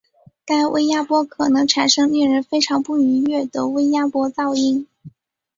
该微压波可能产生令人非常不愉悦的微压波噪音。